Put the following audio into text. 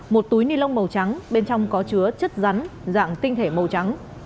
một túi nilon màu trắng bên trong có chứa chất rắn dạng tinh thể màu trắng